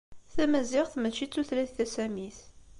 Tamaziɣt mačči d tutlayt tasamit.